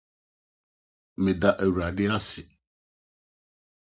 Meda Awurade ase!